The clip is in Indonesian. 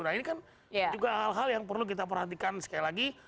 nah ini kan juga hal hal yang perlu kita perhatikan sekali lagi